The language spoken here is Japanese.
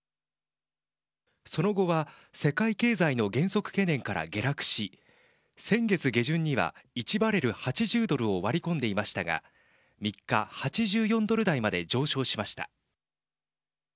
その後は世界経済の減速懸念から下落し先月下旬には１バレル＝８０ドルを割り込んでいましたが３日８４ドル台まで上昇しました。